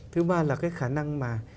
thứ ba là cái khả năng mà